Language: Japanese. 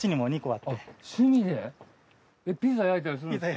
ピザ焼いたりするんですか？